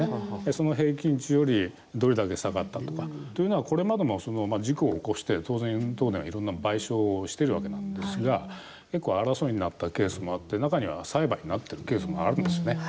その平均値よりどれだけ下がったとか。というのはこれまでも事故を起こして当然、東電はいろんな賠償をしてるわけなんですが結構争いになったケースもあって中には裁判になってるケースもあるんですね。